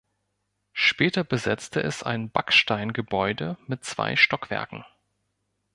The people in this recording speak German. Später besetzte es ein Backsteingebäude mit zwei Stockwerken.